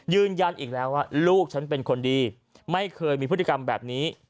ยืนยันอีกแล้วว่าลูกฉันเป็นคนดีไม่เคยมีพฤติกรรมแบบนี้